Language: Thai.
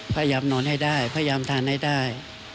พยายามนอนให้ได้พยายามทานให้ได้